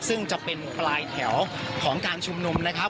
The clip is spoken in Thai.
ซึ่งจะเป็นปลายแถวของการชุมนุมนะครับ